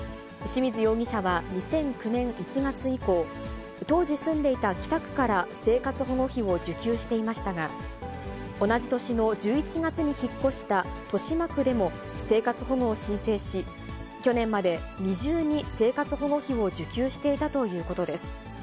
清水容疑者は２００９年１月以降、当時住んでいた北区から生活保護費を受給していましたが、同じ年の１１月に引っ越した豊島区でも、生活保護を申請し、去年まで二重に生活保護費を受給していたということです。